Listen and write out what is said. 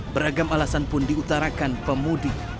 beragam alasan pun diutarakan pemudik